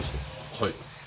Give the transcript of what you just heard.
はい。